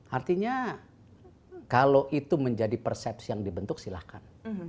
artinya kalau itu menjadi persepsi yang dibentuk silahkan